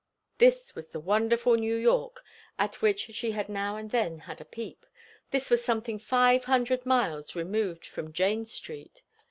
This was the wonderful New York, at which she had now and then had a peep; this was something five hundred miles removed from Jane Street.